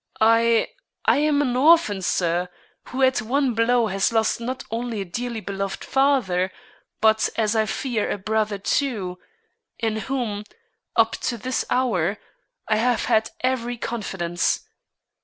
I I am an orphan, sir, who at one blow has lost not only a dearly beloved father but, as I fear, a brother too, in whom, up to this hour, I have had every confidence.